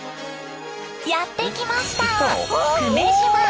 やって来ました久米島。